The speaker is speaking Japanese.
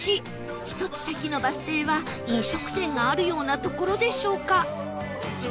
１つ先のバス停は飲食店があるような所でしょうか？